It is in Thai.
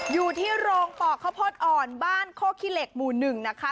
อยู่ที่โรงปอกข้าวโพดอ่อนบ้านโคขี้เหล็กหมู่๑นะคะ